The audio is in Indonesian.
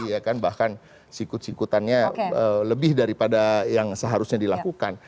perbedaan yang terjadi bahkan sikut sikutannya lebih daripada yang seharusnya dilakukan